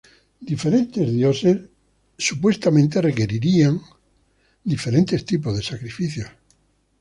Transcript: Diferentes dioses supuestamente requerían diferentes tipos de sacrificios.